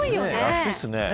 安いですね。